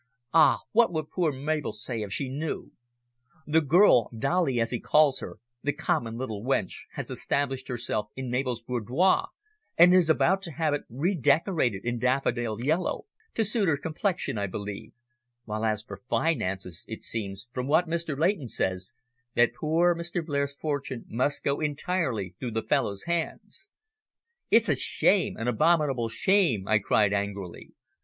Ah! what would poor Mabel say, if she knew? The girl, Dolly, as he calls her, the common little wench, has established herself in Mabel's boudoir, and is about to have it re decorated in daffodil yellow, to suit her complexion, I believe, while as for finances, it seems, from what Mr. Leighton says, that poor Mr. Blair's fortune must go entirely through the fellow's hands." "It's a shame an abominable shame!" I cried angrily.